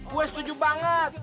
gue setuju banget